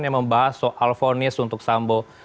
yang membahas soal fonis untuk sambo